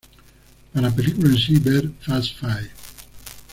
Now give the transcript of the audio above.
Para la película en sí, ver Fast Five.